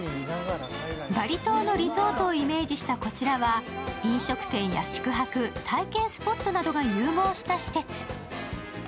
バリ島のリゾートをイメージしたこちらは飲食店や宿泊、体験スポットなどが融合した施設。